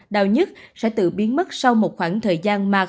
đau nhất sẽ tự biến mất sau một khoảng thời gian mà không có